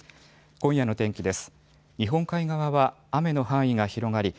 今夜の天気です。